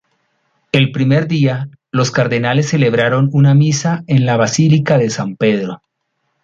El primer día los cardenales celebraron una misa en la Basílica de San Pedro.